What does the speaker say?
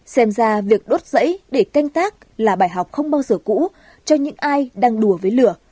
xem ra việc đốt dãy để canh tác là bài học không bao giờ cũ cho những ai đang đùa với lửa